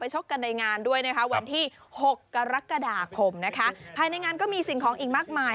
ชกกันในงานด้วยนะคะวันที่หกกรกฎาคมนะคะภายในงานก็มีสิ่งของอีกมากมาย